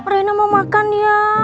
rena mau makan ya